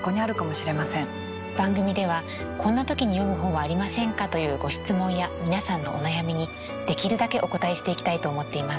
番組ではこんな時に読む本はありませんか？というご質問や皆さんのお悩みにできるだけおこたえしていきたいと思っています。